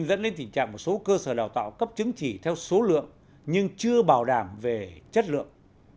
dẫn đến tình trạng một số cơ sở đào tạo cấp chứng chỉ theo số lượng nhưng chưa bảo đảm về chất lượng